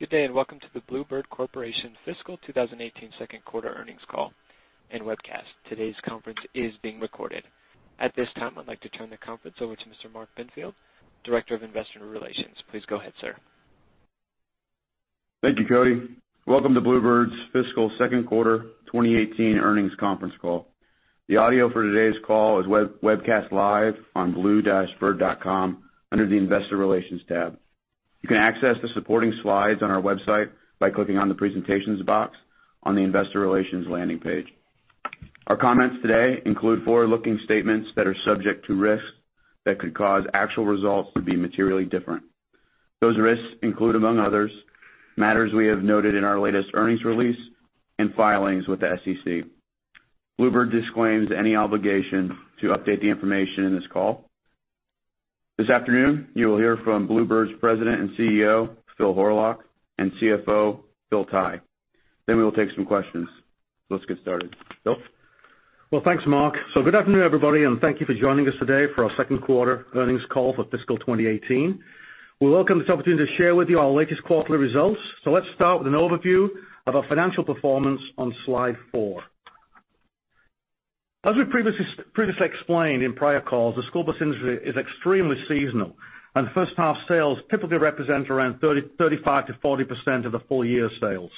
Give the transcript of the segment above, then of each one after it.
Good day, and welcome to the Blue Bird Corporation Fiscal 2018 Second Quarter Earnings call and webcast. Today's conference is being recorded. At this time, I'd like to turn the conference over to Mr. Mark Benfield, Director of Investor Relations. Please go ahead, sir. Thank you, Cody. Welcome to Blue Bird's Fiscal Second Quarter 2018 Earnings Conference Call. The audio for today's call is webcast live on blue-bird.com under the Investor Relations tab. You can access the supporting slides on our website by clicking on the Presentations box on the Investor Relations landing page. Our comments today include forward-looking statements that are subject to risks that could cause actual results to be materially different. Those risks include, among others, matters we have noted in our latest earnings release and filings with the SEC. Blue Bird disclaims any obligation to update the information in this call. This afternoon, you will hear from Blue Bird's President and CEO, Phil Horlock, and CFO, Phil Tighe. We will take some questions. Let's get started. Phil? Well, thanks, Mark. Good afternoon, everybody, and thank you for joining us today for our second quarter earnings call for fiscal 2018. We welcome this opportunity to share with you our latest quarterly results. Let's start with an overview of our financial performance on slide four. As we previously explained in prior calls, the school bus industry is extremely seasonal, and first-half sales typically represent around 35%-40% of the full year sales.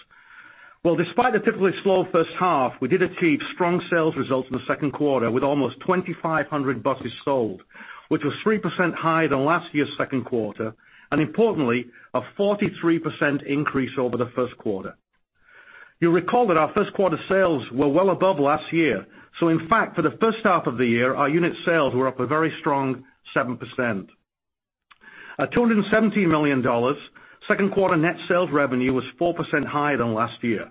Well, despite the typically slow first half, we did achieve strong sales results in the second quarter with almost 2,500 buses sold, which was 3% higher than last year's second quarter, and importantly, a 43% increase over the first quarter. You'll recall that our first quarter sales were well above last year. In fact, for the first half of the year, our unit sales were up a very strong 7%. At $217 million, second quarter net sales revenue was 4% higher than last year.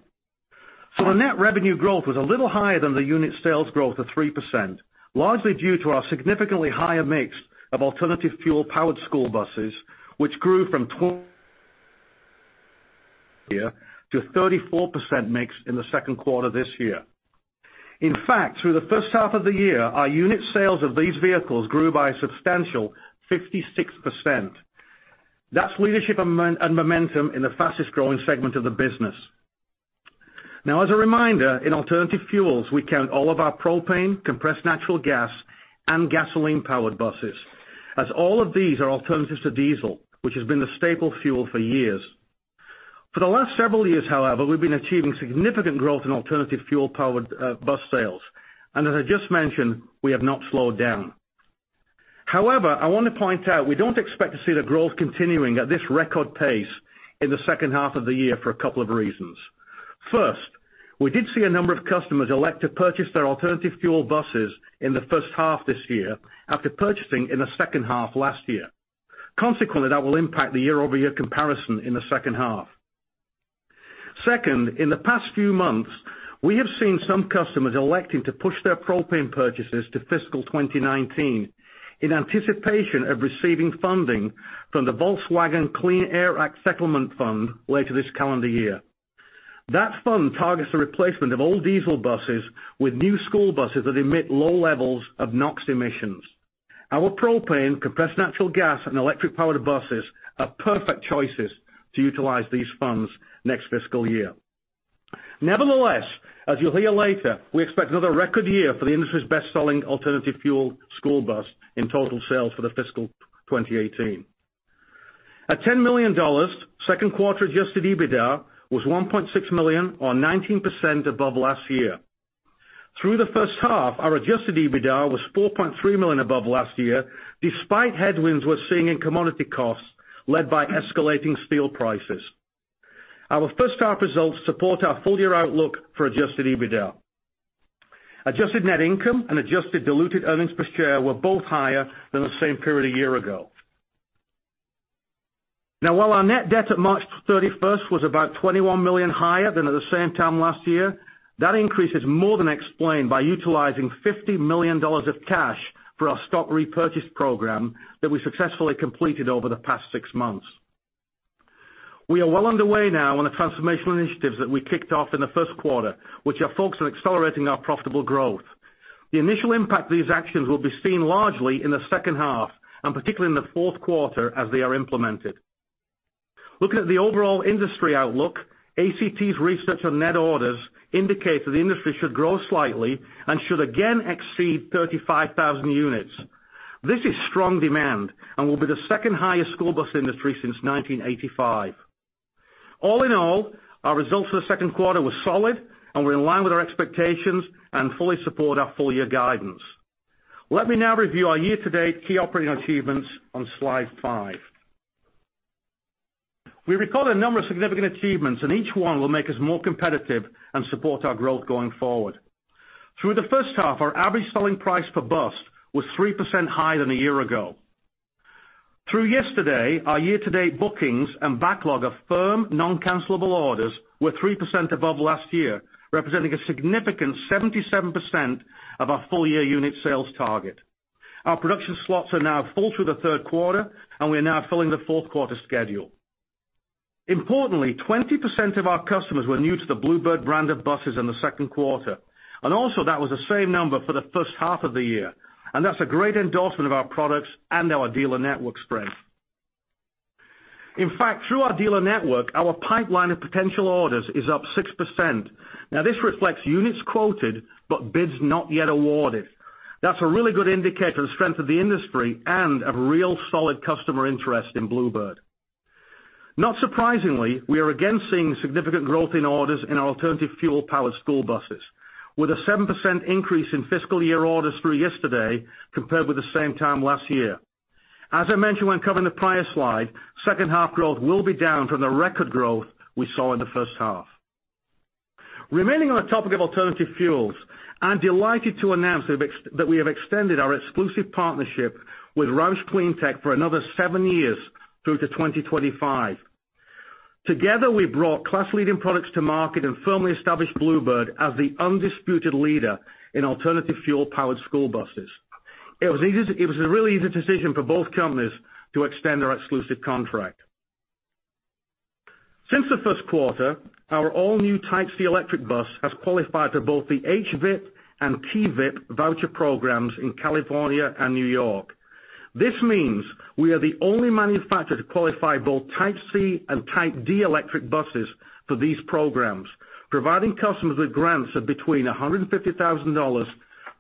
The net revenue growth was a little higher than the unit sales growth of 3%, largely due to our significantly higher mix of alternative fuel-powered school buses, which grew from 20% year to a 34% mix in the second quarter this year. In fact, through the first half of the year, our unit sales of these vehicles grew by a substantial 56%. That's leadership and momentum in the fastest-growing segment of the business. Now, as a reminder, in alternative fuels, we count all of our propane, compressed natural gas, and gasoline-powered buses, as all of these are alternatives to diesel, which has been the staple fuel for years. For the last several years, however, we've been achieving significant growth in alternative fuel-powered bus sales. As I just mentioned, we have not slowed down. However, I want to point out, we don't expect to see the growth continuing at this record pace in the second half of the year for a couple of reasons. First, we did see a number of customers elect to purchase their alternative fuel buses in the first half this year after purchasing in the second half last year. Consequently, that will impact the year-over-year comparison in the second half. Second, in the past few months, we have seen some customers electing to push their propane purchases to fiscal 2019 in anticipation of receiving funding from the Volkswagen Clean Air Act Settlement Fund later this calendar year. That fund targets the replacement of old diesel buses with new school buses that emit low levels of NOx emissions. Our propane, compressed natural gas, and electric-powered buses are perfect choices to utilize these funds next fiscal year. Nevertheless, as you'll hear later, we expect another record year for the industry's best-selling alternative fuel school bus in total sales for the fiscal 2018. At $10 million, second quarter adjusted EBITDA was $1.6 million, or 19% above last year. Through the first half, our adjusted EBITDA was $4.3 million above last year, despite headwinds we're seeing in commodity costs led by escalating steel prices. Our first half results support our full year outlook for adjusted EBITDA. Adjusted net income and adjusted diluted earnings per share were both higher than the same period a year ago. While our net debt at March 31st was about $21 million higher than at the same time last year, that increase is more than explained by utilizing $50 million of cash for our stock repurchase program that we successfully completed over the past six months. We are well underway now on the transformational initiatives that we kicked off in the first quarter, which are focused on accelerating our profitable growth. The initial impact of these actions will be seen largely in the second half, and particularly in the fourth quarter as they are implemented. Looking at the overall industry outlook, ACT Research's research on net orders indicate that the industry should grow slightly and should again exceed 35,000 units. This is strong demand and will be the second highest school bus industry since 1985. All in all, our results for the second quarter were solid and were in line with our expectations and fully support our full year guidance. Let me now review our year-to-date key operating achievements on slide five. We recorded a number of significant achievements, and each one will make us more competitive and support our growth going forward. Through the first half, our average selling price per bus was 3% higher than a year ago. Through yesterday, our year-to-date bookings and backlog of firm, non-cancelable orders were 3% above last year, representing a significant 77% of our full year unit sales target. Our production slots are now full through the third quarter, and we are now filling the fourth quarter schedule. Importantly, 20% of our customers were new to the Blue Bird brand of buses in the second quarter, and also that was the same number for the first half of the year. That's a great endorsement of our products and our dealer network strength. In fact, through our dealer network, our pipeline of potential orders is up 6%. This reflects units quoted but bids not yet awarded. That's a really good indicator of the strength of the industry and of real solid customer interest in Blue Bird. Not surprisingly, we are again seeing significant growth in orders in our alternative fuel-powered school buses, with a 7% increase in fiscal year orders through yesterday compared with the same time last year. As I mentioned when covering the prior slide, second half growth will be down from the record growth we saw in the first half. Remaining on the topic of alternative fuels, I'm delighted to announce that we have extended our exclusive partnership with ROUSH CleanTech for another seven years through to 2025. Together, we've brought class-leading products to market and firmly established Blue Bird as the undisputed leader in alternative fuel-powered school buses. It was a really easy decision for both companies to extend our exclusive contract. Since the first quarter, our all-new Type C electric bus has qualified for both the HVIP and PVIP voucher programs in California and New York. This means we are the only manufacturer to qualify both Type C and Type D electric buses for these programs, providing customers with grants of between $150,000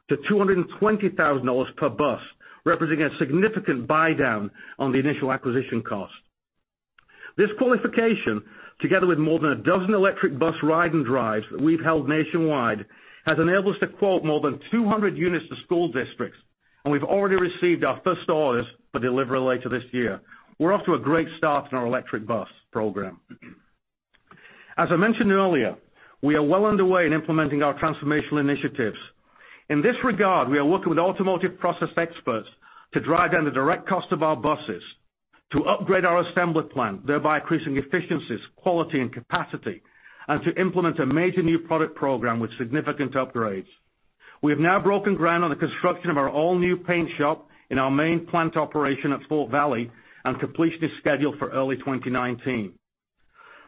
to $220,000 per bus, representing a significant buydown on the initial acquisition cost. This qualification, together with more than a dozen electric bus ride and drives that we've held nationwide, has enabled us to quote more than 200 units to school districts, and we've already received our first orders for delivery later this year. We're off to a great start in our electric bus program. As I mentioned earlier, we are well underway in implementing our transformational initiatives. In this regard, we are working with automotive process experts to drive down the direct cost of our buses, to upgrade our assembly plant, thereby increasing efficiencies, quality and capacity, to implement a major new product program with significant upgrades. We have now broken ground on the construction of our all-new paint shop in our main plant operation at Fort Valley, and completion is scheduled for early 2019.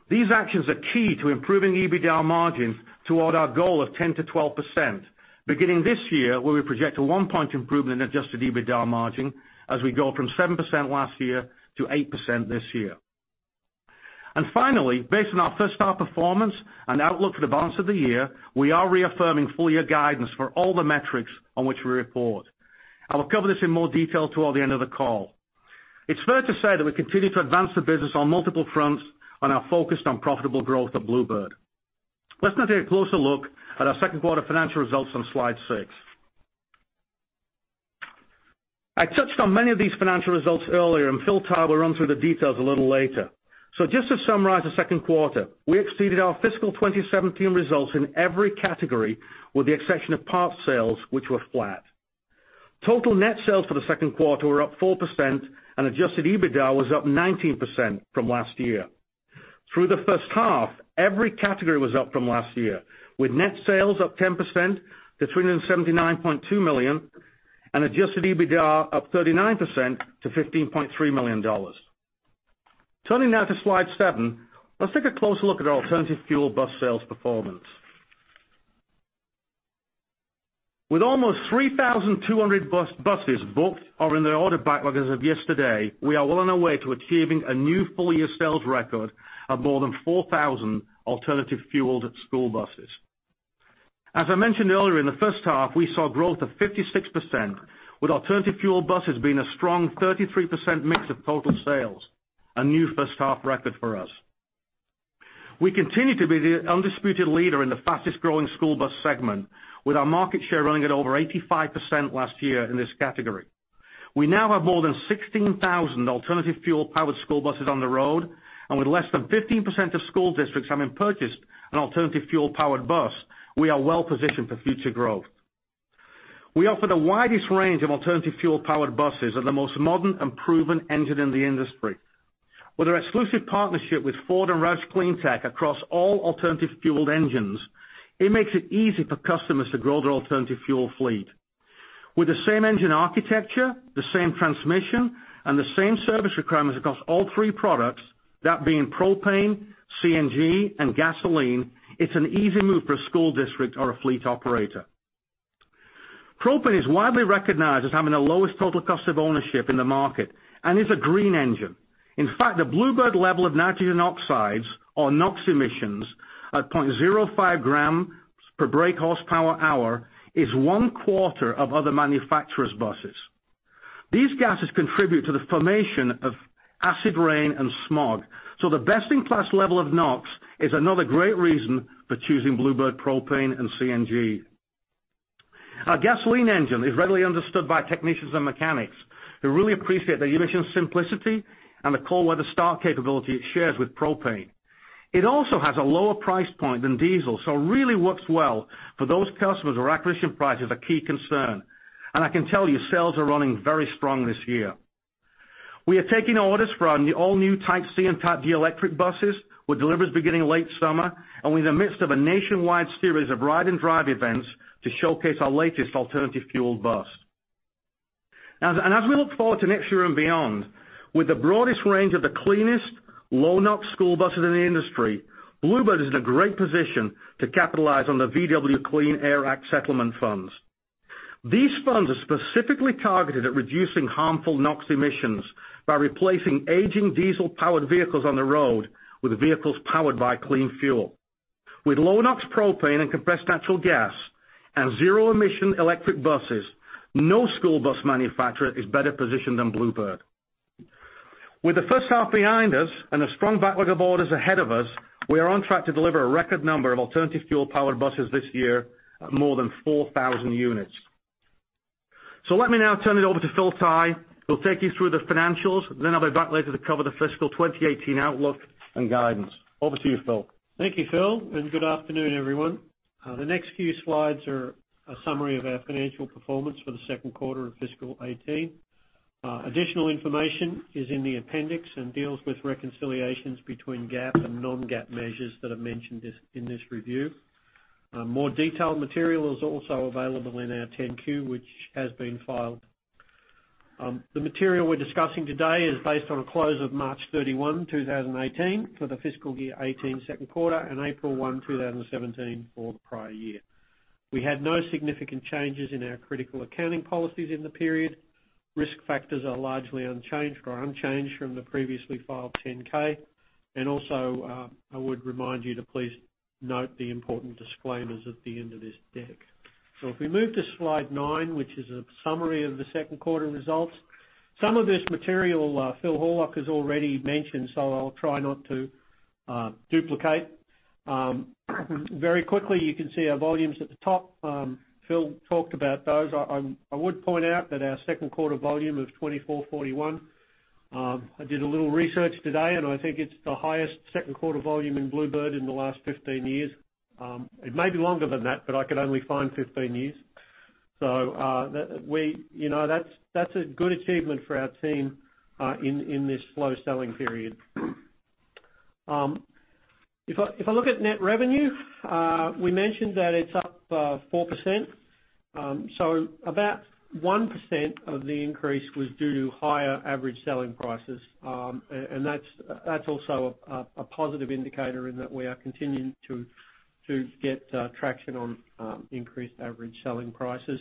These actions are key to improving EBITDA margins toward our goal of 10%-12%, beginning this year, where we project a one-point improvement in adjusted EBITDA margin as we go from 7% last year to 8% this year. Finally, based on our first half performance and outlook for the balance of the year, we are reaffirming full year guidance for all the metrics on which we report. I will cover this in more detail toward the end of the call. It's fair to say that we continue to advance the business on multiple fronts and are focused on profitable growth at Blue Bird. Let's now take a closer look at our second quarter financial results on slide six. I touched on many of these financial results earlier, and Phil Tighe will run through the details a little later. Just to summarize the second quarter, we exceeded our fiscal 2017 results in every category, with the exception of parts sales, which were flat. Total net sales for the second quarter were up 4%, and adjusted EBITDA was up 19% from last year. Through the first half, every category was up from last year, with net sales up 10% to $379.2 million and adjusted EBITDA up 39% to $15.3 million. Turning now to slide seven, let's take a closer look at our alternative fuel bus sales performance. With almost 3,200 buses booked or in the order backlog as of yesterday, we are well on our way to achieving a new full-year sales record of more than 4,000 alternative fueled school buses. As I mentioned earlier, in the first half, we saw growth of 56%, with alternative fuel buses being a strong 33% mix of total sales, a new first half record for us. We continue to be the undisputed leader in the fastest growing school bus segment, with our market share running at over 85% last year in this category. We now have more than 16,000 alternative fuel-powered school buses on the road, and with less than 15% of school districts having purchased an alternative fuel-powered bus, we are well positioned for future growth. We offer the widest range of alternative fuel-powered buses and the most modern and proven engine in the industry. With our exclusive partnership with Ford and ROUSH CleanTech across all alternative fueled engines, it makes it easy for customers to grow their alternative fuel fleet. With the same engine architecture, the same transmission, and the same service requirements across all three products, that being propane, CNG, and gasoline, it's an easy move for a school district or a fleet operator. Propane is widely recognized as having the lowest total cost of ownership in the market and is a green engine. In fact, the Blue Bird level of nitrogen oxides or NOx emissions at 0.05 grams per brake horsepower hour is one quarter of other manufacturers' buses. These gases contribute to the formation of acid rain and smog, the best-in-class level of NOx is another great reason for choosing Blue Bird propane and CNG. Our gasoline engine is readily understood by technicians and mechanics, who really appreciate the emission simplicity and the cold weather start capability it shares with propane. It also has a lower price point than diesel, really works well for those customers where acquisition price is a key concern. I can tell you, sales are running very strong this year. We are taking orders for our all new Type C and Type D electric buses, with deliveries beginning late summer, we're in the midst of a nationwide series of ride and drive events to showcase our latest alternative fueled bus. As we look forward to next year and beyond, with the broadest range of the cleanest, low NOx school buses in the industry, Blue Bird is in a great position to capitalize on the VW Clean Air Act settlement funds. These funds are specifically targeted at reducing harmful NOx emissions by replacing aging diesel-powered vehicles on the road with vehicles powered by clean fuel. With low NOx propane and compressed natural gas and zero-emission electric buses, no school bus manufacturer is better positioned than Blue Bird. With the first half behind us and a strong backlog of orders ahead of us, we are on track to deliver a record number of alternative fuel-powered buses this year at more than 4,000 units. Let me now turn it over to Phil Tighe, who'll take you through the financials, and then I'll be back later to cover the fiscal 2018 outlook and guidance. Over to you, Phil. Thank you, Phil, and good afternoon, everyone. The next few slides are a summary of our financial performance for the second quarter of fiscal '18. Additional information is in the appendix and deals with reconciliations between GAAP and non-GAAP measures that are mentioned in this review. More detailed material is also available in our 10-Q, which has been filed. The material we're discussing today is based on a close of March 31, 2018, for the fiscal year '18 second quarter, and April 1, 2017, for the prior year. We had no significant changes in our critical accounting policies in the period. Risk factors are largely unchanged or unchanged from the previously filed 10-K. Also, I would remind you to please note the important disclaimers at the end of this deck. If we move to slide nine, which is a summary of the second quarter results. Some of this material, Phil Horlock has already mentioned, I'll try not to duplicate. Very quickly, you can see our volumes at the top. Phil talked about those. I would point out that our second quarter volume of 2,441. I did a little research today, and I think it's the highest second quarter volume in Blue Bird in the last 15 years. It may be longer than that, but I could only find 15 years. That's a good achievement for our team in this slow selling period. If I look at net revenue, we mentioned that it's up 4%. About 1% of the increase was due to higher average selling prices. That's also a positive indicator in that we are continuing to get traction on increased average selling prices.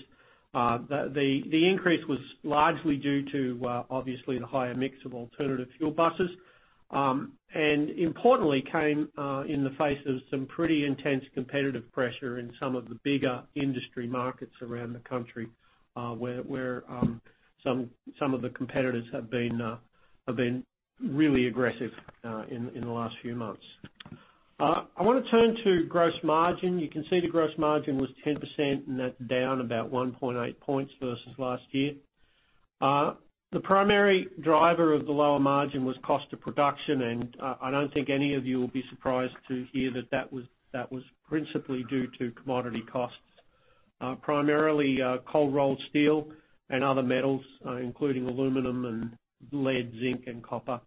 The increase was largely due to, obviously, the higher mix of alternative fuel buses, and importantly, came in the face of some pretty intense competitive pressure in some of the bigger industry markets around the country, where some of the competitors have been really aggressive in the last few months. I want to turn to gross margin. You can see the gross margin was 10%, and that's down about 1.8 points versus last year. The primary driver of the lower margin was cost of production. I don't think any of you will be surprised to hear that that was principally due to commodity costs, primarily cold rolled steel and other metals, including aluminum and lead, zinc, and copper.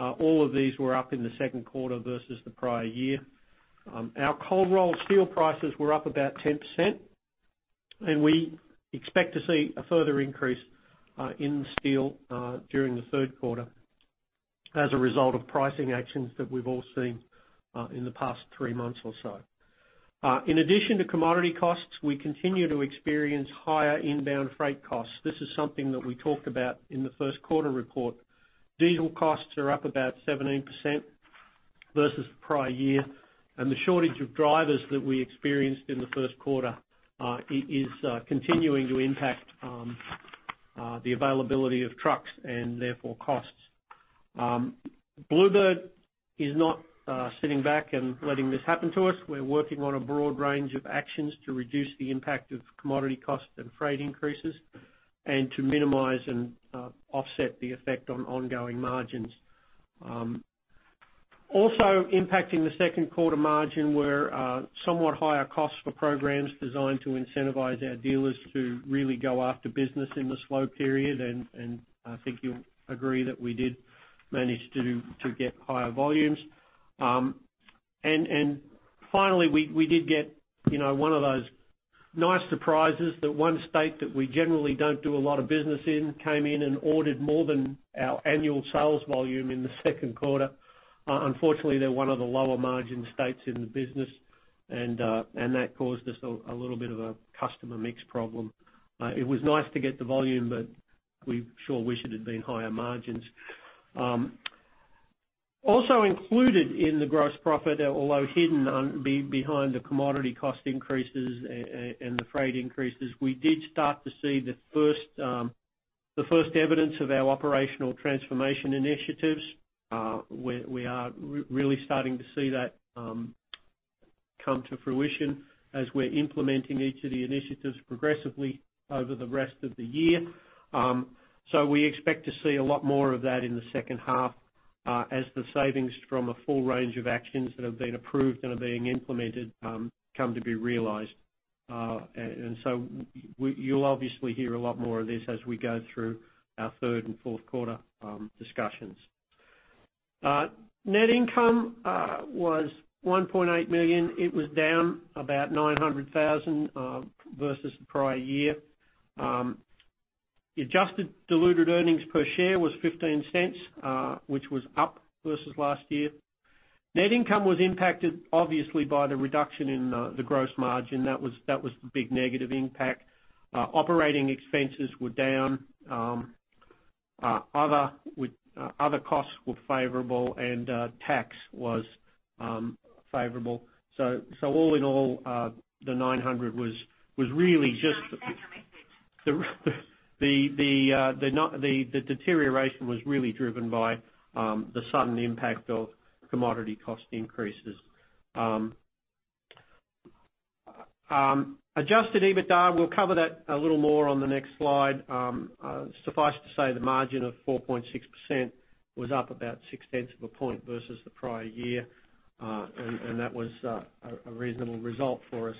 All of these were up in the second quarter versus the prior year. Our cold rolled steel prices were up about 10%, and we expect to see a further increase in steel during the third quarter as a result of pricing actions that we've all seen in the past three months or so. In addition to commodity costs, we continue to experience higher inbound freight costs. This is something that we talked about in the first quarter report. Diesel costs are up about 17% versus the prior year. The shortage of drivers that we experienced in the first quarter is continuing to impact the availability of trucks and therefore costs. Blue Bird is not sitting back and letting this happen to us. We're working on a broad range of actions to reduce the impact of commodity costs and freight increases and to minimize and offset the effect on ongoing margins. Also impacting the second quarter margin were somewhat higher costs for programs designed to incentivize our dealers to really go after business in the slow period. I think you'll agree that we did manage to get higher volumes. Finally, we did get one of those nice surprises that one state that we generally don't do a lot of business in came in and ordered more than our annual sales volume in the second quarter. Unfortunately, they're one of the lower margin states in the business. That caused us a little bit of a customer mix problem. It was nice to get the volume, but we sure wish it had been higher margins. Also included in the gross profit, although hidden behind the commodity cost increases and the freight increases, we did start to see the first evidence of our operational transformation initiatives. We are really starting to see that come to fruition as we're implementing each of the initiatives progressively over the rest of the year. We expect to see a lot more of that in the second half as the savings from a full range of actions that have been approved and are being implemented come to be realized. You'll obviously hear a lot more of this as we go through our third and fourth quarter discussions. Net income was $1.8 million. It was down about $900,000 versus the prior year. The adjusted diluted earnings per share was $0.15, which was up versus last year. Net income was impacted obviously, by the reduction in the gross margin. That was the big negative impact. Operating expenses were down. Other costs were favorable, and tax was favorable. All in all, the deterioration was really driven by the sudden impact of commodity cost increases. Adjusted EBITDA, we'll cover that a little more on the next slide. Suffice to say, the margin of 4.6% was up about six tenths of a point versus the prior year. That was a reasonable result for us.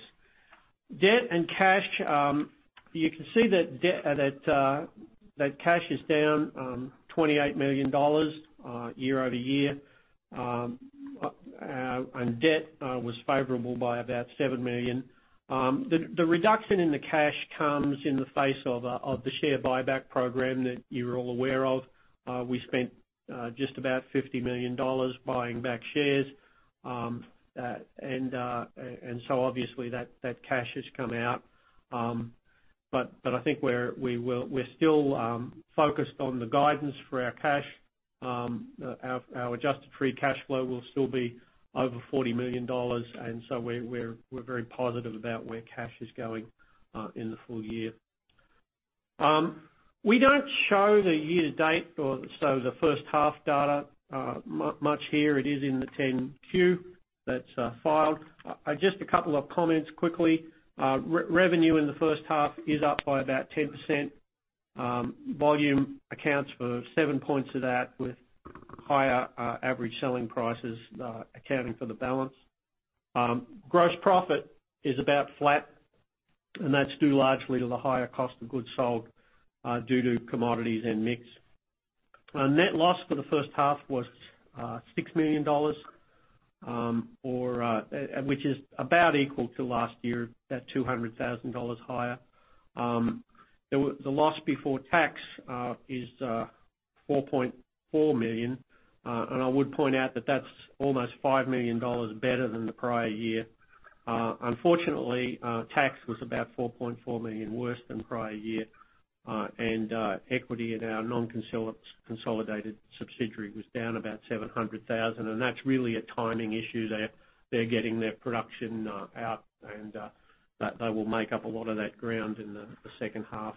Debt and cash. You can see that cash is down $28 million year-over-year. Debt was favorable by about $7 million. The reduction in the cash comes in the face of the share buyback program that you're all aware of. We spent just about $50 million buying back shares. Obviously, that cash has come out. I think we're still focused on the guidance for our cash. Our adjusted free cash flow will still be over $40 million. So we're very positive about where cash is going in the full year. We don't show the year-to-date, so the first half data, much here. It is in the 10-Q that's filed. Just a couple of comments quickly. Revenue in the first half is up by about 10%. Volume accounts for seven points of that, with higher average selling prices accounting for the balance. Gross profit is about flat, and that's due largely to the higher cost of goods sold due to commodities and mix. Net loss for the first half was $6 million, which is about equal to last year, about $200,000 higher. The loss before tax is $4.4 million. I would point out that that's almost $5 million better than the prior year. Unfortunately, tax was about $4.4 million worse than prior year. Equity in our non-consolidated subsidiary was down about $700,000. That's really a timing issue. They're getting their production out, and they will make up a lot of that ground in the second half.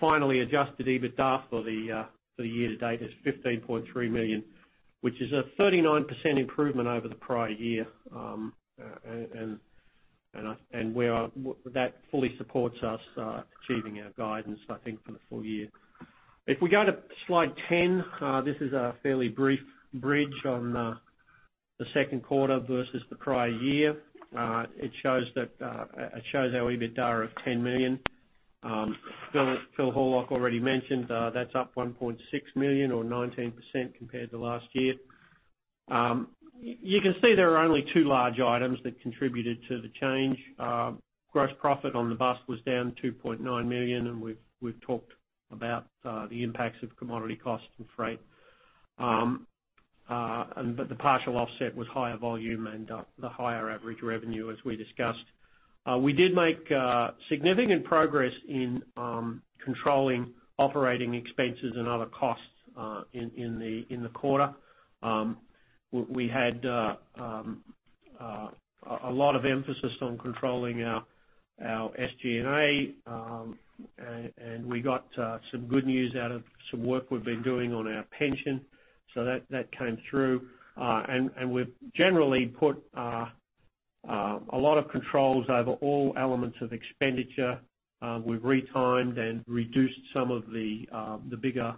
Finally, adjusted EBITDA for the year to date is $15.3 million, which is a 39% improvement over the prior year. That fully supports us achieving our guidance, I think, for the full year. If we go to slide 10, this is a fairly brief bridge on the second quarter versus the prior year. It shows our EBITDA of $10 million. Phil Horlock already mentioned that's up $1.6 million or 19% compared to last year. You can see there are only two large items that contributed to the change. Gross profit on the bus was down $2.9 million. We've talked about the impacts of commodity costs and freight. The partial offset was higher volume and the higher average revenue as we discussed. We did make significant progress in controlling operating expenses and other costs in the quarter. We had a lot of emphasis on controlling our SGA. We got some good news out of some work we've been doing on our pension. That came through. We've generally put a lot of controls over all elements of expenditure. We've retimed and reduced some of the bigger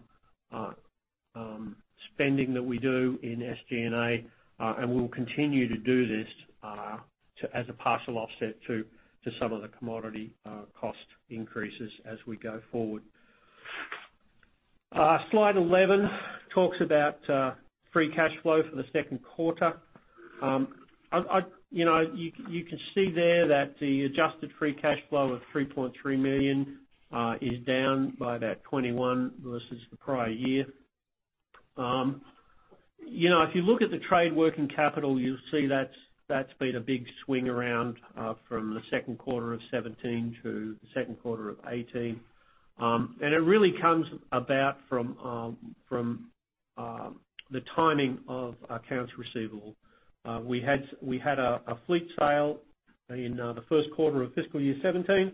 spending that we do in SGA. We will continue to do this as a partial offset to some of the commodity cost increases as we go forward. Slide 11 talks about free cash flow for the second quarter. You can see there that the adjusted free cash flow of $3.3 million is down by about 21% versus the prior year. If you look at the trade working capital, you'll see that's been a big swing around from the second quarter of 2017 to the second quarter of 2018. It really comes about from the timing of accounts receivable. We had a fleet sale in the first quarter of fiscal year 2017.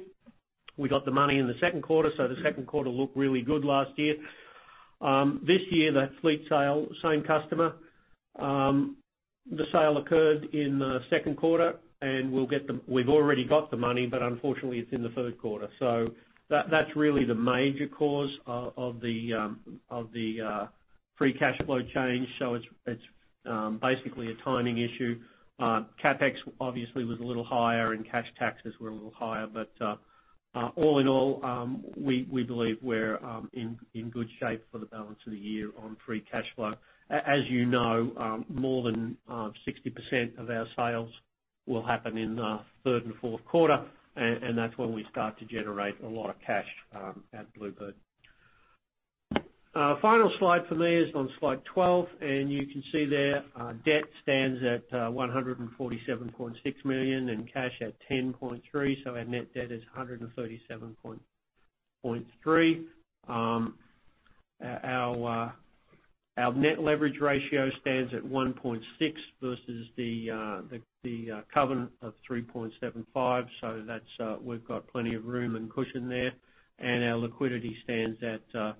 We got the money in the second quarter, so the second quarter looked really good last year. This year, that fleet sale, same customer, the sale occurred in the second quarter. We've already got the money, but unfortunately, it's in the third quarter. That's really the major cause of the free cash flow change. It's basically a timing issue. CapEx obviously was a little higher and cash taxes were a little higher, but all in all, we believe we're in good shape for the balance of the year on free cash flow. As you know, more than 60% of our sales will happen in the third and fourth quarter, and that's when we start to generate a lot of cash at Blue Bird. Final slide for me is on slide 12, and you can see there, debt stands at $147.6 million and cash at $10.3 million, so our net debt is $137.3 million. Our net leverage ratio stands at 1.6 versus the covenant of 3.75, so we've got plenty of room and cushion there. Our liquidity stands at $78.4 million.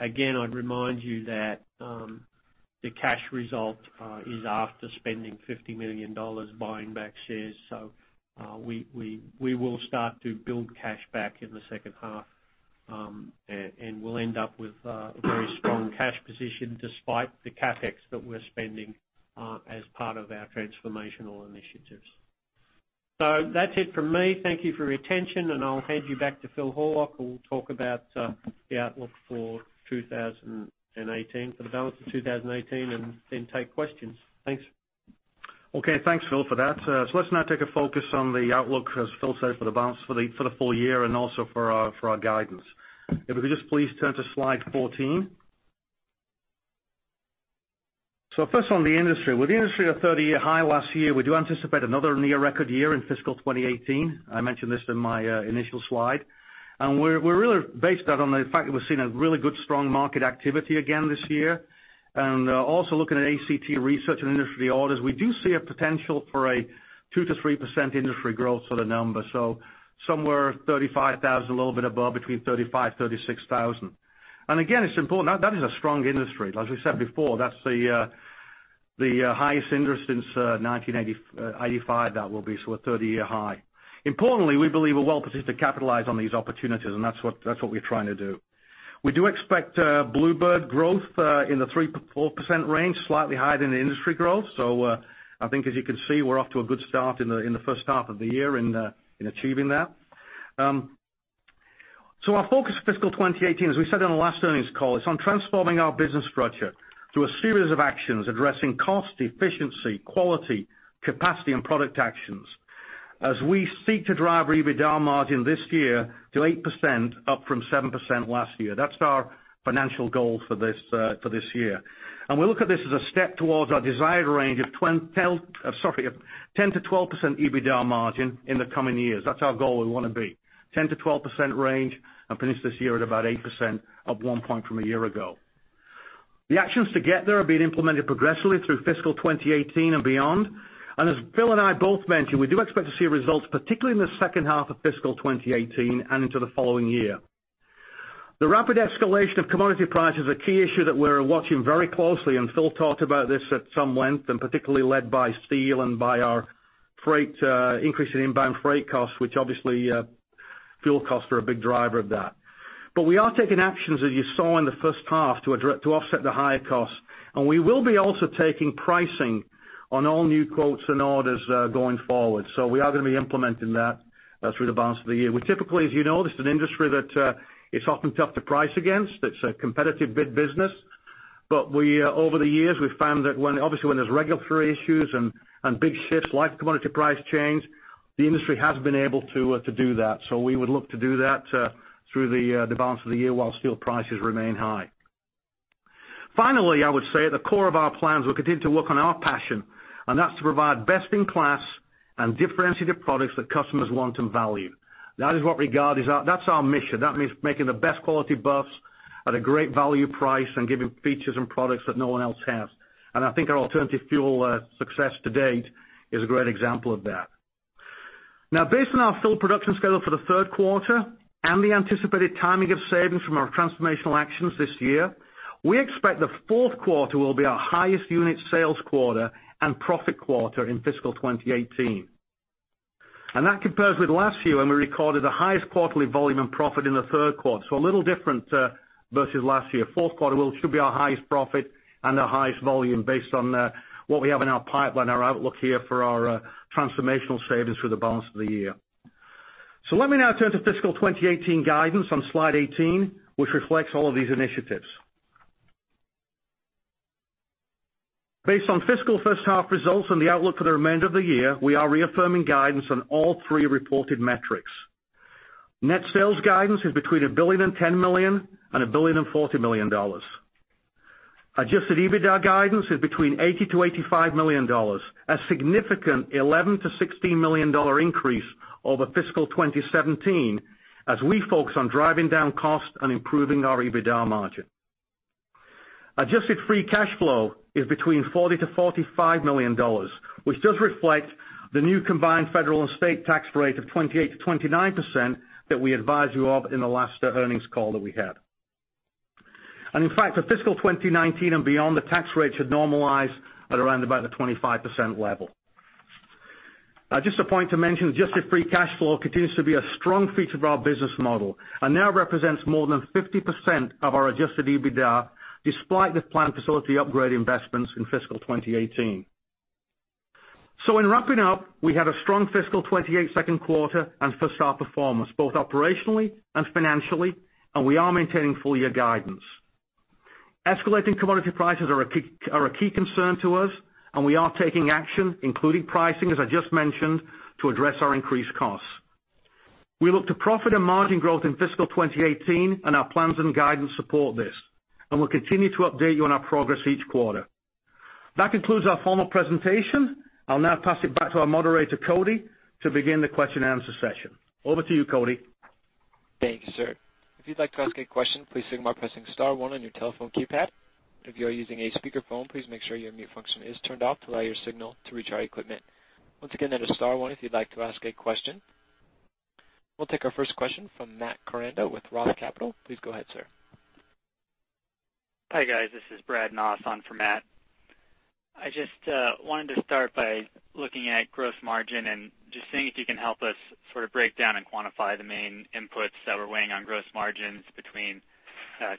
Again, I'd remind you that the cash result is after spending $50 million buying back shares. We will start to build cash back in the second half, and we'll end up with a very strong cash position despite the CapEx that we're spending as part of our transformational initiatives. That's it from me. Thank you for your attention, and I'll hand you back to Phil Horlock, who will talk about the outlook for 2018, for the balance of 2018, and then take questions. Thanks. Okay. Thanks, Phil, for that. Let's now take a focus on the outlook, as Phil said, for the balance for the full year and also for our guidance. If we could just please turn to slide 14. First on the industry. With the industry at a 30-year high last year, we do anticipate another near record year in fiscal 2018. I mentioned this in my initial slide. We're really based that on the fact that we've seen a really good strong market activity again this year. Also looking at ACT Research and Industry Orders, we do see a potential for a 2%-3% industry growth sort of number. Somewhere 35,000, a little bit above, between 35,000, 36,000. Again, it's important. That is a strong industry. As we said before, that's the highest industry since 1985, that will be. A 30-year high. Importantly, we believe we're well-positioned to capitalize on these opportunities, and that's what we're trying to do. We do expect Blue Bird growth in the 3%-4% range, slightly higher than the industry growth. I think as you can see, we're off to a good start in the first half of the year in achieving that. Our focus for fiscal 2018, as we said on the last earnings call, is on transforming our business structure through a series of actions addressing cost, efficiency, quality, capacity, and product actions as we seek to drive EBITDA margin this year to 8%, up from 7% last year. That's our financial goal for this year. We look at this as a step towards our desired range of 10%-12% EBITDA margin in the coming years. That's our goal we want to be. 10%-12% range, and finish this year at about 8%, up one point from a year ago. The actions to get there are being implemented progressively through fiscal 2018 and beyond. As Phil and I both mentioned, we do expect to see results, particularly in the second half of fiscal 2018 and into the following year. The rapid escalation of commodity prices are a key issue that we're watching very closely, and Phil talked about this at some length, and particularly led by steel and by our increase in inbound freight costs, which obviously fuel costs are a big driver of that. We are taking actions, as you saw in the first half, to offset the higher costs. We will be also taking pricing on all new quotes and orders going forward. We are going to be implementing that through the balance of the year. We typically, as you know, this is an industry that it's often tough to price against. It's a competitive bid business. Over the years, we've found that obviously when there's regulatory issues and big shifts like commodity price change, the industry has been able to do that. We would look to do that through the balance of the year while steel prices remain high. Finally, I would say at the core of our plans, we'll continue to work on our passion, and that's to provide best-in-class and differentiated products that customers want and value. That's our mission. That means making the best quality bus at a great value price and giving features and products that no one else has. I think our alternative fuel success to date is a great example of that. Based on our full production schedule for the third quarter and the anticipated timing of savings from our transformational actions this year, we expect the fourth quarter will be our highest unit sales quarter and profit quarter in fiscal 2018. That compares with last year when we recorded the highest quarterly volume and profit in the third quarter. A little different versus last year. Fourth quarter should be our highest profit and our highest volume based on what we have in our pipeline, our outlook here for our transformational savings through the balance of the year. Let me now turn to fiscal 2018 guidance on slide 18, which reflects all of these initiatives. Based on fiscal first half results and the outlook for the remainder of the year, we are reaffirming guidance on all three reported metrics. Net sales guidance is between $1 billion and $1.010 billion and $1 billion and $1.040 billion. Adjusted EBITDA guidance is between $80 million-$85 million, a significant $11 million-$16 million increase over fiscal 2017 as we focus on driving down cost and improving our EBITDA margin. Adjusted free cash flow is between $40 million-$45 million, which does reflect the new combined federal and state tax rate of 28%-29% that we advised you of in the last earnings call that we had. In fact, for fiscal 2019 and beyond, the tax rate should normalize at around about the 25% level. Just a point to mention, the free cash flow continues to be a strong feature of our business model and now represents more than 50% of our adjusted EBITDA, despite the plant facility upgrade investments in fiscal 2018. In wrapping up, we had a strong fiscal 2018 second quarter and first half performance, both operationally and financially, and we are maintaining full-year guidance. Escalating commodity prices are a key concern to us, and we are taking action, including pricing, as I just mentioned, to address our increased costs. We look to profit and margin growth in fiscal 2018, and our plans and guidance support this. We'll continue to update you on our progress each quarter. That concludes our formal presentation. I'll now pass it back to our moderator, Cody, to begin the question and answer session. Over to you, Cody. Thank you, sir. If you'd like to ask a question, please signal by pressing star 1 on your telephone keypad. If you are using a speakerphone, please make sure your mute function is turned off to allow your signal to reach our equipment. Once again, that is star 1 if you'd like to ask a question. We'll take our first question from Matt Koranda with ROTH Capital. Please go ahead, sir. Hi, guys. This is Brad Noss on for Matt. I just wanted to start by looking at gross margin and just seeing if you can help us sort of break down and quantify the main inputs that we're weighing on gross margins between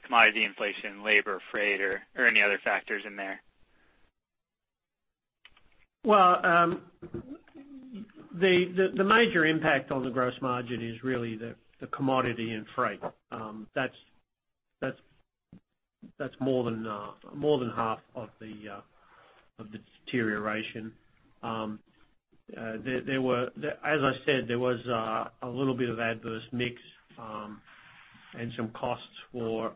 commodity inflation, labor, freight or any other factors in there. The major impact on the gross margin is really the commodity and freight. That's more than half of the deterioration. As I said, there was a little bit of adverse mix, and some costs for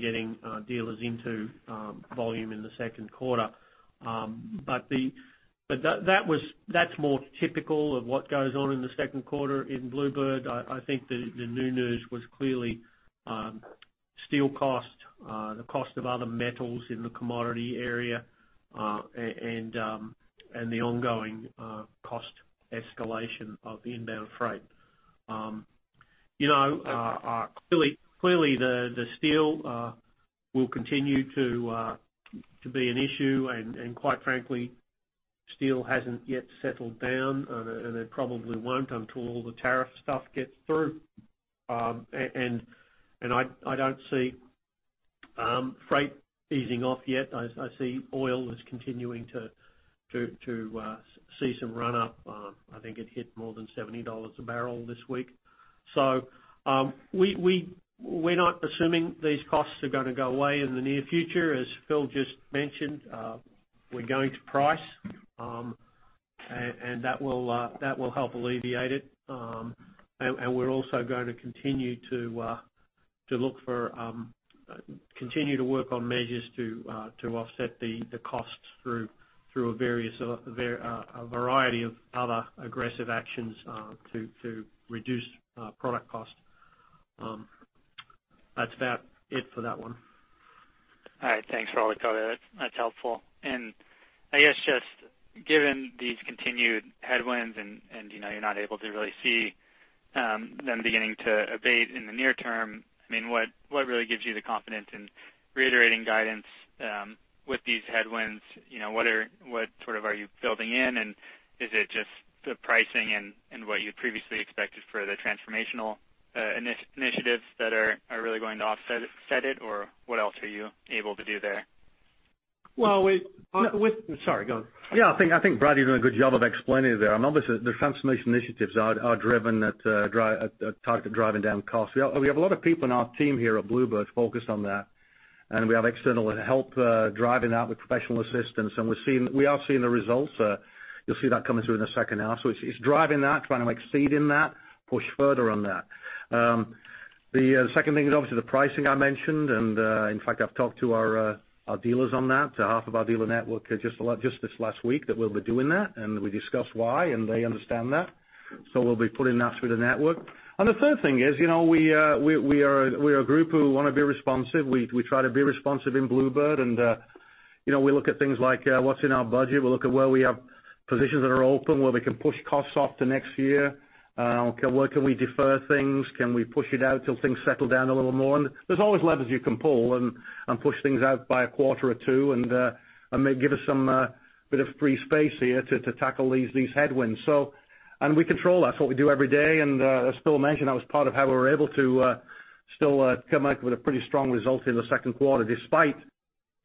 getting dealers into volume in the second quarter. But that's more typical of what goes on in the second quarter in Blue Bird. I think the new news was clearly steel cost, the cost of other metals in the commodity area, and the ongoing cost escalation of the inbound freight. Clearly, the steel will continue to be an issue, and quite frankly, steel hasn't yet settled down, and it probably won't until all the tariff stuff gets through. I don't see freight easing off yet. I see oil is continuing to see some run up. I think it hit more than $70 a barrel this week. We're not assuming these costs are going to go away in the near future. As Phil just mentioned, we're going to price, and that will help alleviate it. We're also going to continue to work on measures to offset the costs through a variety of other aggressive actions to reduce product cost. That's about it for that one. All right. Thanks for all the color. That's helpful. I guess just given these continued headwinds and you're not able to really see them beginning to abate in the near term, what really gives you the confidence in reiterating guidance with these headwinds? What are you building in, and is it just the pricing and what you previously expected for the transformational initiatives that are really going to offset it? Or what else are you able to do there? Well, sorry, go on. Yeah, I think Brad, you did a good job of explaining it there. Obviously, the transformation initiatives are driven at target, driving down costs. We have a lot of people in our team here at Blue Bird focused on that, and we have external help driving that with professional assistance. We are seeing the results. You'll see that coming through in a second now. It's driving that, trying to exceed in that, push further on that. The second thing is obviously the pricing I mentioned, and in fact, I've talked to our dealers on that, to half of our dealer network just this last week that we'll be doing that, and we discussed why, and they understand that. We'll be putting that through the network. The third thing is we are a group who want to be responsive. We try to be responsive in Blue Bird and we look at things like what's in our budget. We look at where we have positions that are open, where we can push costs off to next year. Where can we defer things? Can we push it out till things settle down a little more? There's always levers you can pull and push things out by a quarter or two, and may give us some bit of free space here to tackle these headwinds. We control that. That's what we do every day. As Phil mentioned, that was part of how we were able to still come back with a pretty strong result in the second quarter, despite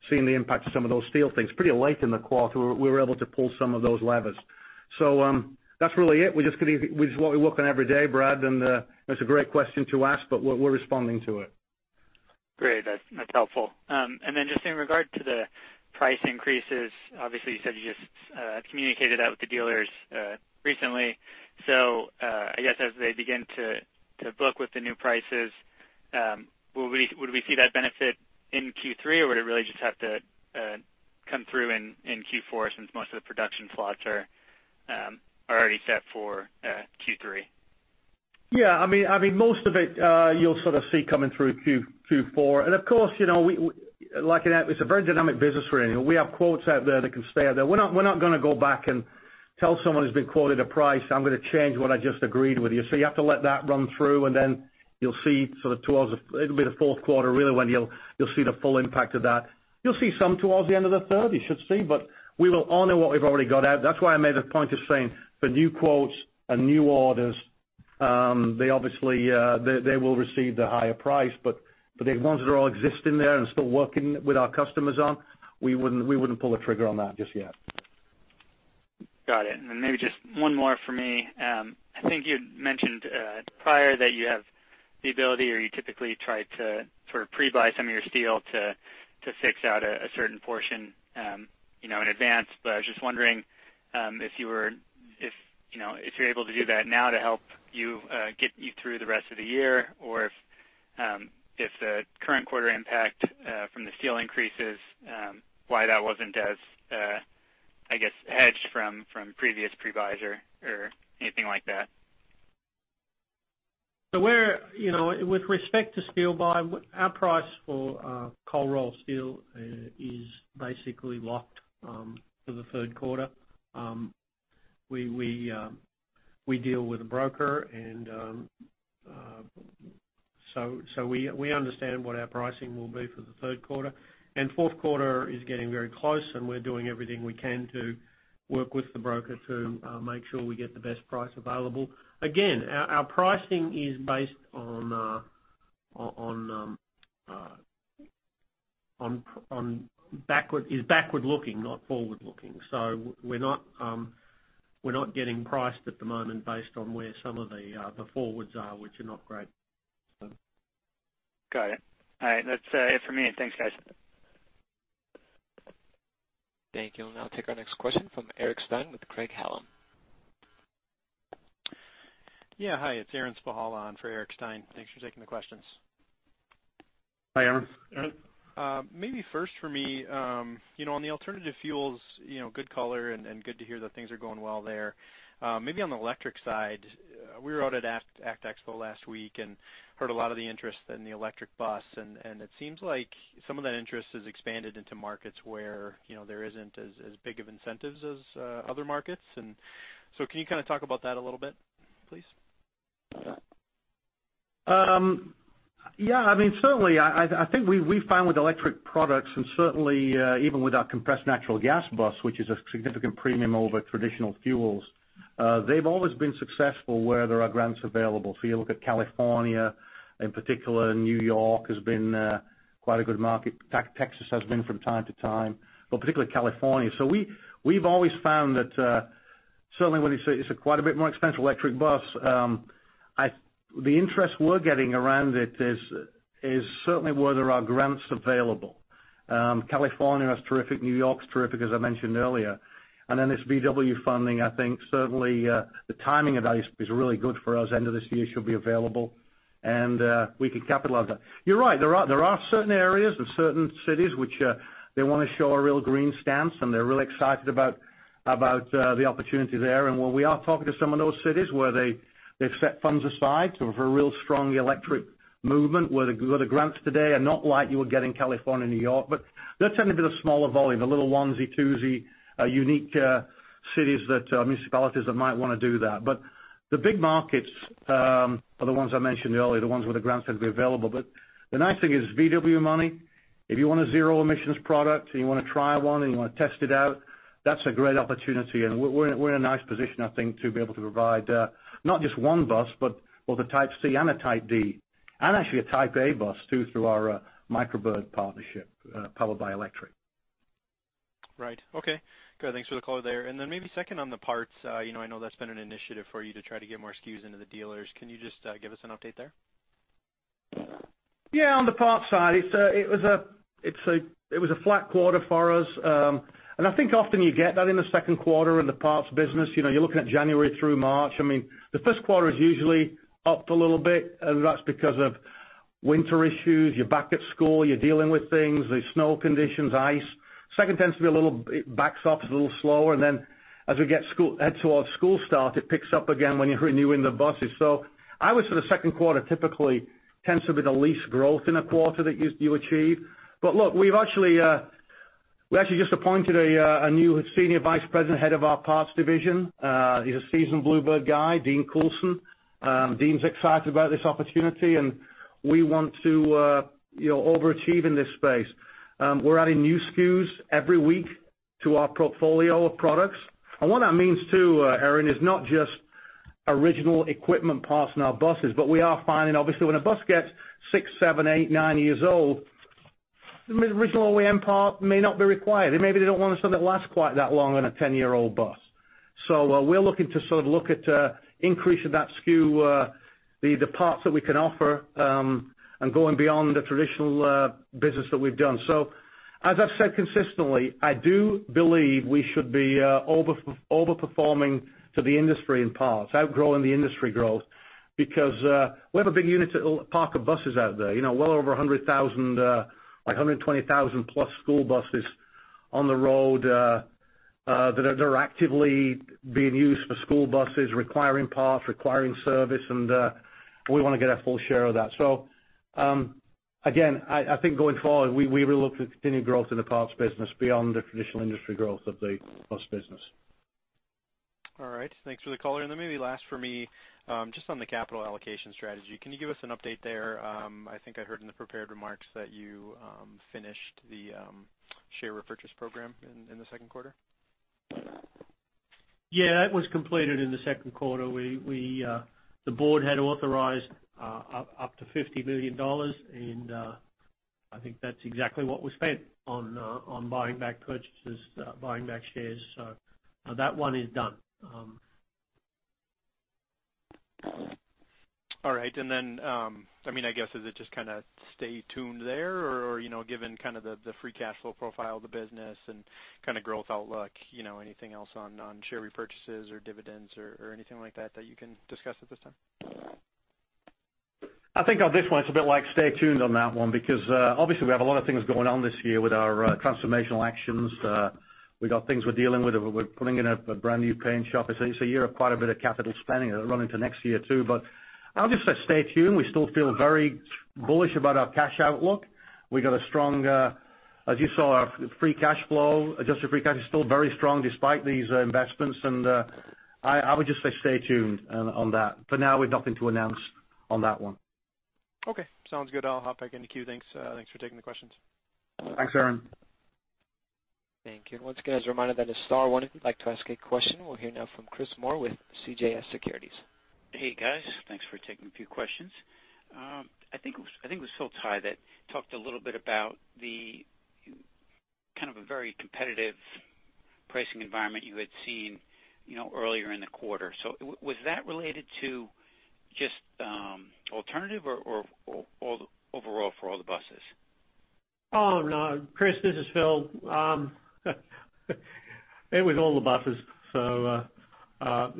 seeing the impact of some of those steel things pretty late in the quarter, we were able to pull some of those levers. That's really it. It's what we work on every day, Brad, that's a great question to ask, we're responding to it. Great. That's helpful. Then just in regard to the price increases, obviously you said you just communicated that with the dealers recently. I guess as they begin to book with the new prices, would we see that benefit in Q3, or would it really just have to come through in Q4 since most of the production slots are already set for Q3? Most of it you'll sort of see coming through Q4. Of course, it's a very dynamic business we're in. We have quotes out there that can stay out there. We're not gonna go back and tell someone who's been quoted a price, "I'm gonna change what I just agreed with you." You have to let that run through, then you'll see towards the fourth quarter, really, when you'll see the full impact of that. You'll see some towards the end of the third, you should see. We will honor what we've already got out. That's why I made a point of saying for new quotes and new orders. They obviously will receive the higher price, the ones that are all existing there and still working with our customers on, we wouldn't pull the trigger on that just yet. Got it. Maybe just one more for me. I think you'd mentioned prior that you have the ability or you typically try to pre-buy some of your steel to fix out a certain portion in advance. I was just wondering if you're able to do that now to help you get you through the rest of the year, or if the current quarter impact from the steel increases why that wasn't as hedged from previous pre-buys or anything like that. With respect to steel buy, our price for cold rolled steel is basically locked for the third quarter. We deal with a broker, we understand what our pricing will be for the third quarter. Fourth quarter is getting very close, we're doing everything we can to work with the broker to make sure we get the best price available. Again, our pricing is backward-looking, not forward-looking. We're not getting priced at the moment based on where some of the forwards are, which are not great. Got it. All right. That's it for me. Thanks, guys. Thank you. I'll now take our next question from Aaron Stein with Craig-Hallum. Yeah. Hi, it's Aaron Spychalla on for Aaron Stein. Thanks for taking the questions. Hi, Aaron. Aaron. Maybe first for me, on the alternative fuels, good color and good to hear that things are going well there. Maybe on the electric side, we were out at ACT Expo last week and heard a lot of the interest in the electric bus, it seems like some of that interest has expanded into markets where there isn't as big of incentives as other markets. Can you talk about that a little bit, please? Yeah. Certainly, I think we've found with electric products, and certainly even with our compressed natural gas bus, which is a significant premium over traditional fuels, they've always been successful where there are grants available. You look at California in particular, New York has been quite a good market. Texas has been from time to time, but particularly California. We've always found that, certainly when it's a quite a bit more expensive electric bus, the interest we're getting around it is certainly where there are grants available. California is terrific. New York's terrific, as I mentioned earlier. This VW funding, I think certainly, the timing of that is really good for us. End of this year should be available, and we can capitalize that. You're right, there are certain areas or certain cities which they want to show a real green stance, and they're really excited about the opportunity there. While we are talking to some of those cities where they've set funds aside for a real strong electric movement, where the grants today are not like you would get in California and New York, but they're tend to be the smaller volume, the little onesie-twosie, unique cities, municipalities that might want to do that. The big markets are the ones I mentioned earlier, the ones where the grants tend to be available. The nice thing is VW money. If you want a zero-emissions product, and you want to try one, and you want to test it out, that's a great opportunity. We're in a nice position, I think, to be able to provide not just one bus, but both a Type C and a Type D, and actually a Type A bus too through our Micro Bird partnership, powered by electric. Right. Okay. Good. Thanks for the color there. Then maybe second on the parts. I know that's been an initiative for you to try to get more SKUs into the dealers. Can you just give us an update there? Yeah. On the parts side, it was a flat quarter for us. I think often you get that in the second quarter in the parts business. You're looking at January through March. The first quarter is usually up a little bit, and that's because of winter issues. You're back at school, you're dealing with things, there's snow conditions, ice. Second tends to back off, is a little slower. Then as we head towards school start, it picks up again when you're renewing the buses. I would say the second quarter typically tends to be the least growth in a quarter that you achieve. Look, we actually just appointed a new Senior Vice President, Head of our Parts Division. He's a seasoned Blue Bird guy, Dean Coulson. Dean's excited about this opportunity, and we want to overachieve in this space. We're adding new SKUs every week to our portfolio of products. What that means too, Aaron, is not just original equipment parts in our buses, but we are finding, obviously, when a bus gets six, seven, eight, nine years old, the original OEM part may not be required, and maybe they don't want something that lasts quite that long on a 10-year-old bus. We're looking to look at increasing that SKU, the parts that we can offer, and going beyond the traditional business that we've done. As I've said consistently, I do believe we should be over-performing to the industry in parts, outgrowing the industry growth, because we have a big unit parc of buses out there. Well over 100,000, 120,000-plus school buses on the road that are actively being used for school buses, requiring parts, requiring service, and we want to get our full share of that. Again, I think going forward, we will look to continue growth in the parts business beyond the traditional industry growth of the bus business. All right. Thanks for the color. Then maybe last for me, just on the capital allocation strategy, can you give us an update there? I think I heard in the prepared remarks that you finished the share repurchase program in the second quarter. Yeah, that was completed in the second quarter. The board had authorized up to $50 million, I think that's exactly what was spent on buying back purchases, buying back shares. That one is done. I guess, is it just kind of stay tuned there, or given the free cash flow profile of the business and growth outlook, anything else on share repurchases or dividends or anything like that you can discuss at this time? I think on this one, it's a bit like stay tuned on that one, because obviously we have a lot of things going on this year with our transformational actions. We got things we're dealing with, we're putting in a brand-new paint shop. It's a year of quite a bit of capital spending that'll run into next year too. I'll just say stay tuned. We still feel very bullish about our cash outlook. As you saw, our free cash flow, adjusted free cash is still very strong despite these investments, and I would just say stay tuned on that. For now, we've nothing to announce on that one. Okay, sounds good. I'll hop back in the queue. Thanks. Thanks for taking the questions. Thanks, Aaron. Thank you. Once again, as a reminder, that is star one if you'd like to ask a question. We'll hear now from Chris Moore with CJS Securities. Hey, guys. Thanks for taking a few questions. I think it was Phil Tighe that talked a little bit about the kind of a very competitive pricing environment you had seen earlier in the quarter. Was that related to just alternative or overall for all the buses? Oh, no. Chris, this is Phil. It was all the buses. There's a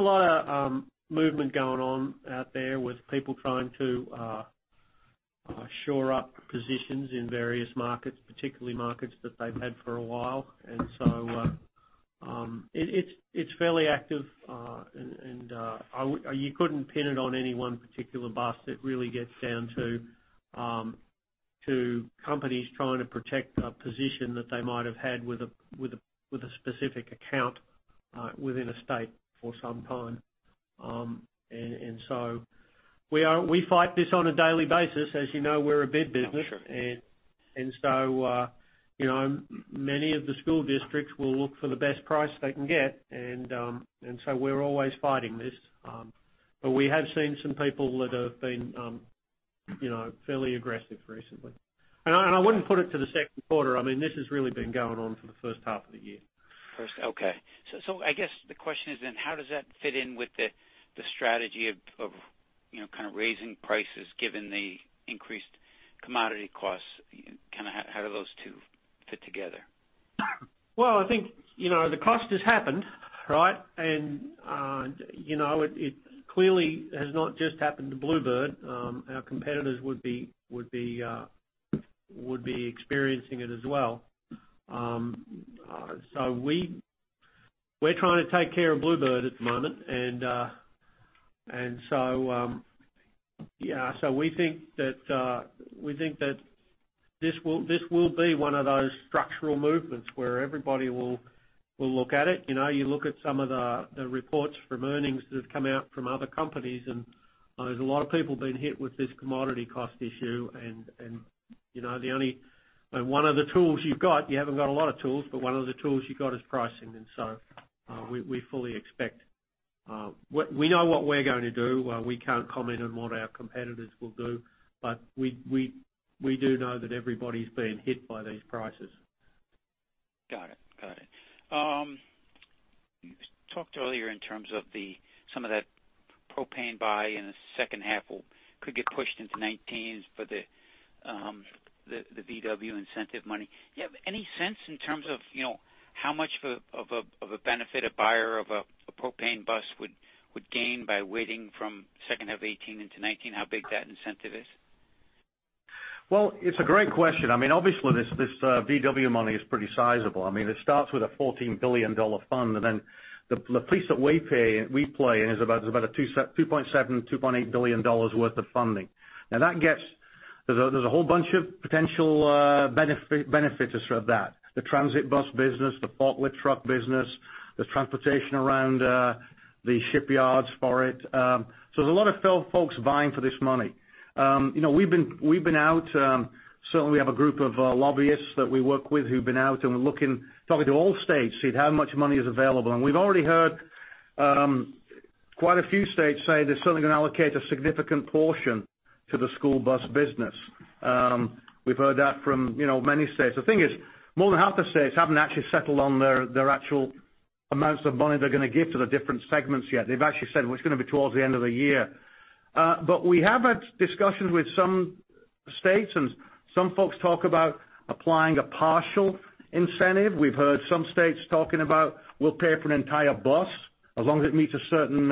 lot of movement going on out there with people trying to shore up positions in various markets, particularly markets that they've had for a while. It's fairly active. You couldn't pin it on any one particular bus. It really gets down to companies trying to protect a position that they might have had with a specific account within a state for some time. We fight this on a daily basis. As you know, we're a bid business. Oh, sure. Many of the school districts will look for the best price they can get. We're always fighting this. We have seen some people that have been fairly aggressive recently. I wouldn't put it to the second quarter. This has really been going on for the first half of the year. First. Okay. I guess the question is then, how does that fit in with the strategy of raising prices given the increased commodity costs? How do those two fit together? Well, I think, the cost has happened, right? It clearly has not just happened to Blue Bird. Our competitors would be experiencing it as well. We're trying to take care of Blue Bird at the moment, and so we think that this will be one of those structural movements where everybody will look at it. You look at some of the reports from earnings that have come out from other companies, and there's a lot of people been hit with this commodity cost issue. One of the tools you've got, you haven't got a lot of tools, but one of the tools you've got is pricing, and so we fully expect. We know what we're going to do. We can't comment on what our competitors will do, but we do know that everybody's being hit by these prices. Got it. You talked earlier in terms of some of that propane buy in the second half could get pushed into 2019 for the VW incentive money. Do you have any sense in terms of how much of a benefit a buyer of a propane bus would gain by waiting from second half 2018 into 2019? How big that incentive is? Well, it's a great question. Obviously, this VW money is pretty sizable. It starts with a $14 billion fund, the piece that we play in is about a $2.7 billion, $2.8 billion worth of funding. There's a whole bunch of potential benefactors for that, the transit bus business, the forklift truck business, the transportation around the shipyards for it. There's a lot of folks vying for this money. We've been out, certainly we have a group of lobbyists that we work with who've been out and looking, talking to all states, seeing how much money is available. We've already heard quite a few states say they're certainly going to allocate a significant portion to the school bus business. We've heard that from many states. The thing is, more than half the states haven't actually settled on their actual amounts of money they're going to give to the different segments yet. They've actually said, well, it's going to be towards the end of the year. We have had discussions with some states and some folks talk about applying a partial incentive. We've heard some states talking about we'll pay for an entire bus as long as it meets a certain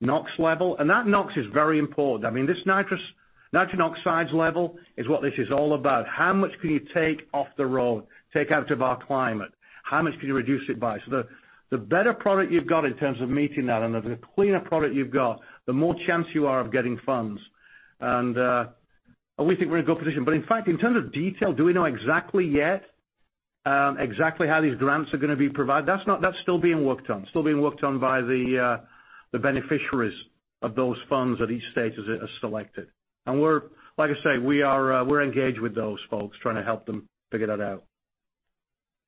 NOx level. That NOx is very important. This nitrous oxide level is what this is all about. How much can you take off the road, take out of our climate? How much can you reduce it by? The better product you've got in terms of meeting that and the cleaner product you've got, the more chance you are of getting funds. We think we're in a good position. In fact, in terms of detail, do we know exactly yet, exactly how these grants are going to be provided? That's still being worked on. Still being worked on by the beneficiaries of those funds that each state has selected. Like I say, we're engaged with those folks trying to help them figure that out.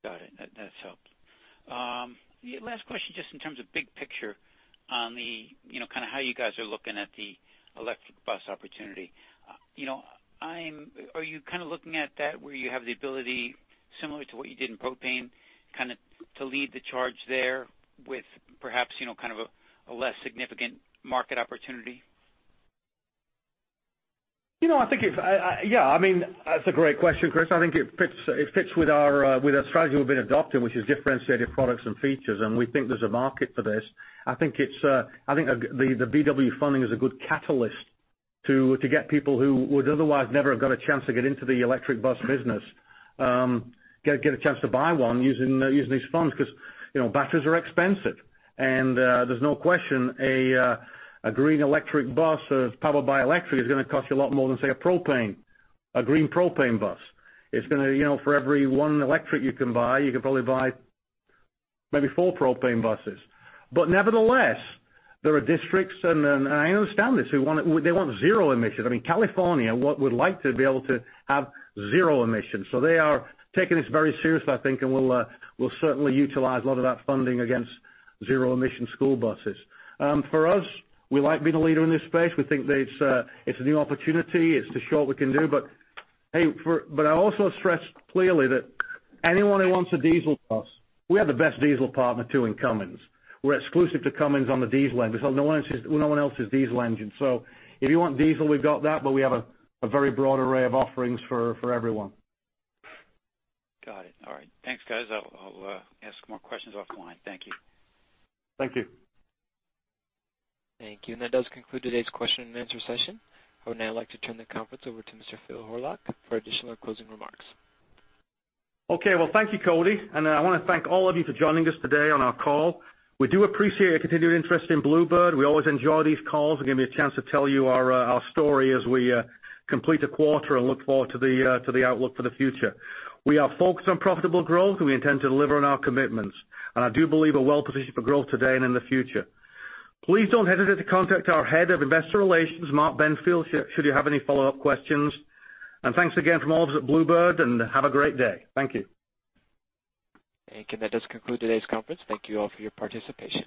Got it. That helps. Last question, just in terms of big picture on how you guys are looking at the electric bus opportunity. Are you looking at that where you have the ability, similar to what you did in propane, to lead the charge there with perhaps, a less significant market opportunity? That's a great question, Chris. I think it fits with our strategy we've been adopting, which is differentiated products and features, and we think there's a market for this. I think the VW funding is a good catalyst to get people who would otherwise never have got a chance to get into the electric bus business, get a chance to buy one using these funds, because batteries are expensive. There's no question, a green electric bus that's powered by electric is going to cost you a lot more than, say, a green propane bus. For every one electric you can buy, you can probably buy maybe four propane buses. Nevertheless, there are districts, and I understand this, they want zero emissions. California would like to be able to have zero emissions. They are taking this very seriously, I think, and will certainly utilize a lot of that funding against zero emission school buses. For us, we like being a leader in this space. We think it's a new opportunity. It's to show what we can do, but I also stress clearly that anyone who wants a diesel bus, we have the best diesel partner, too, in Cummins. We're exclusive to Cummins on the diesel engine. No one else is diesel engine. If you want diesel, we've got that, but we have a very broad array of offerings for everyone. Got it. All right. Thanks, guys. I'll ask more questions offline. Thank you. Thank you. Thank you. That does conclude today's question and answer session. I would now like to turn the conference over to Mr. Phil Horlock for additional closing remarks. Okay. Well, thank you, Cody. I want to thank all of you for joining us today on our call. We do appreciate your continued interest in Blue Bird. We always enjoy these calls. It gives me a chance to tell you our story as we complete a quarter and look forward to the outlook for the future. We are focused on profitable growth. We intend to deliver on our commitments. I do believe we're well-positioned for growth today and in the future. Please don't hesitate to contact our Head of Investor Relations, Mark Benfield, should you have any follow-up questions. Thanks again from all of us at Blue Bird, and have a great day. Thank you. Okay, that does conclude today's conference. Thank you all for your participation.